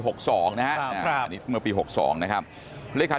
เหลคาดิการกรกฎตอยัง